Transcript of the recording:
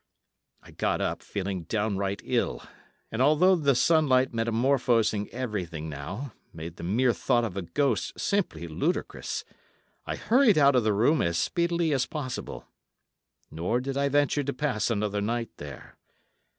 I got up, feeling downright ill, and although the sunlight metamorphosing everything now made the mere thought of a ghost simply ludicrous, I hurried out of the room as speedily as possible. Nor did I venture to pass another night there.